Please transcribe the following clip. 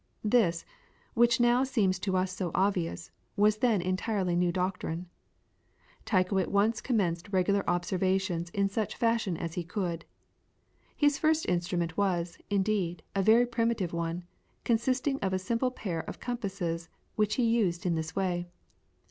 This, which now seems to us so obvious, was then entirely new doctrine. Tycho at once commenced regular observations in such fashion as he could. His first instrument was, indeed, a very primitive one, consisting of a simple pair of compasses, which he used in this way.